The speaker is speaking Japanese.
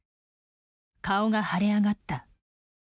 顔が腫れ上がった。